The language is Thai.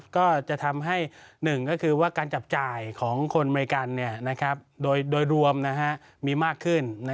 ก็จะทำให้๑ก็คือว่าการจับจ่ายของคนอเมริกันโดยรวมมีมากขึ้น